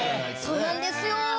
そうなんですよ。